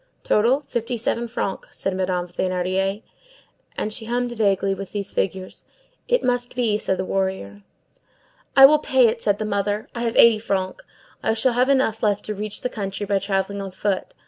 "Total, fifty seven francs," said Madame Thénardier. And she hummed vaguely, with these figures:— "It must be, said a warrior." "I will pay it," said the mother. "I have eighty francs. I shall have enough left to reach the country, by travelling on foot.